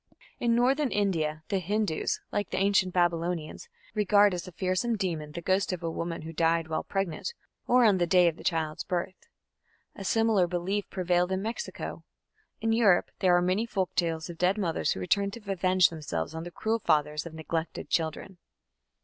In Northern India the Hindus, like the ancient Babylonians, regard as a fearsome demon the ghost of a woman who died while pregnant, or on the day of the child's birth. A similar belief prevailed in Mexico. In Europe there are many folk tales of dead mothers who return to avenge themselves on the cruel fathers of neglected children.